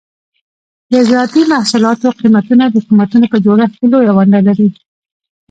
د زراعتي محصولاتو قیمتونه د قیمتونو په جوړښت کې لویه ونډه لري.